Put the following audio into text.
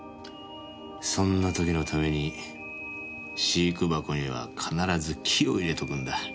そんな時のために飼育箱には必ず木を入れとくんだ。